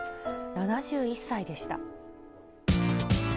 ７１歳でした。